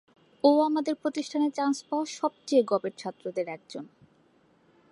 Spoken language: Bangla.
ও আমাদের প্রতিষ্ঠানে চান্স পাওয়া সবচেয়ে গবেট ছাত্রদের একজন।